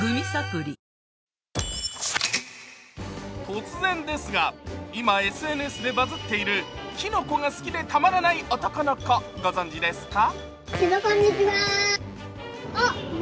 突然ですが、今ＳＮＳでバズっているきのこが好きでたまらない男の子、ご存じですか？